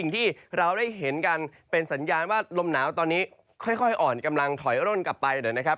ที่เราได้เห็นกันเป็นสัญญาณว่าลมหนาวตอนนี้ค่อยอ่อนกำลังถอยร่นกลับไปนะครับ